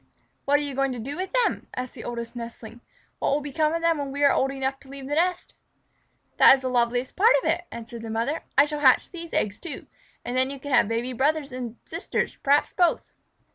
"What are you going to do with them?" asked the Oldest Nestling. "What will become of them when we are old enough to leave the nest?" "That is the loveliest part of it," answered their mother. "I shall hatch these eggs, too, and then you can have baby brothers and sisters, perhaps both."